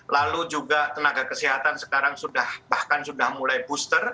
lalu juga tenaga kesehatan sekarang sudah bahkan sudah mulai booster